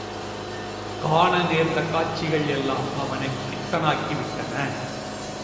காண நேர்ந்த காட்சிகள் எல்லாம் அவனைப் பித்தனாக்கி விட்டன.